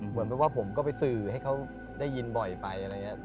เหมือนแบบว่าผมก็ไปสื่อให้เขาได้ยินบ่อยไปอะไรอย่างนี้